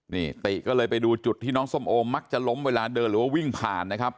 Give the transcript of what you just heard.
นี่ติก็เลยไปดูจุดที่น้องส้มโอมักจะล้มเวลาเดินหรือว่าวิ่งผ่านนะครับ